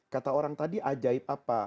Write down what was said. kata orang tadi ajaib apa